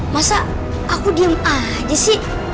masa aku diem aja sih